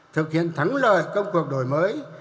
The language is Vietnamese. thực hiện thắng lợi công cuộc đổi mới